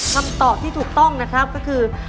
คำตอบที่ถูกต้องนะครับก็คือ